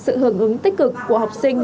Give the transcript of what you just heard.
sự hưởng ứng tích cực của học sinh